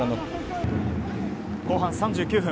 後半３９分。